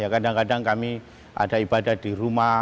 kadang kadang kami ada ibadah di rumah